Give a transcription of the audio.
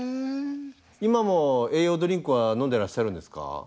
今も栄養ドリンクは飲んでらっしゃるんですか？